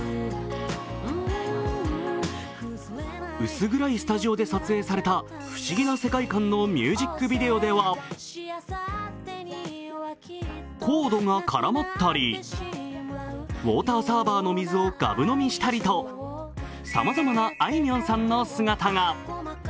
薄暗いスタジオで撮影された不思議な世界観のミュージックビデオではコードが絡まったり、ウオーターサーバーの水をがぶ飲みしたりと、さまざまなあいみょんさんの姿が。